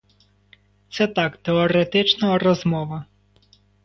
Це так теоретична розмова.